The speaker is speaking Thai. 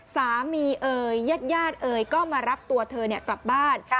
สามีเอ๋ยญาติเอ๋ยก็มารับตัวเธอเนี่ยกลับบ้าน